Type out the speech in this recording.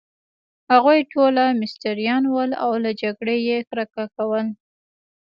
هغوی ټوله مستریان ول، او له جګړې يې کرکه کول.